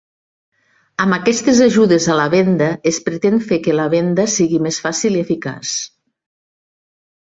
Amb aquestes ajudes a la venda es pretén fer que la venda sigui més fàcil i eficaç.